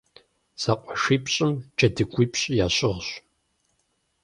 ЗэкъуэшипщӀым джэдыгуипщӀ ящыгъщ.